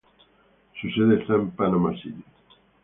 Su sede está en Panama City.